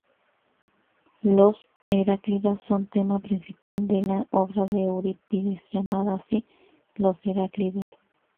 Los heráclidas son tema principal de la obra de Eurípides llamada así: "Los Heráclidas".